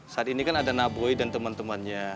saat ini kan ada naboi dan temen temennya